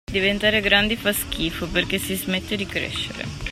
Diventare grandi fa schifo perché si smette di crescere.